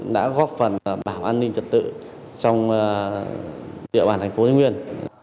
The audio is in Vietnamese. đã góp phần bảo an ninh trật tự trong địa bàn thành phố thái nguyên